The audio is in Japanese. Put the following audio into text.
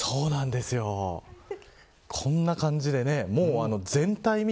こんな感じで。